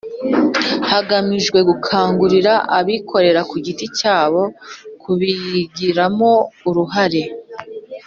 hagamijwe gukangurira abikorera ku giti cyabo kubigiramo uruhare.